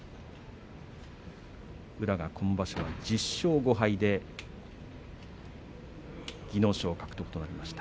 宇良、今場所１０勝５敗で技能賞獲得となりました。